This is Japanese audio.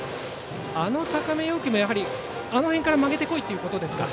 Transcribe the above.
あの高め要求も、あの辺から曲げてこいということですか。